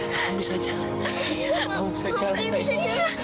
kamu bisa jalan kamu bisa jalan sayang